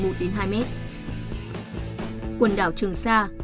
quần đảo trường sa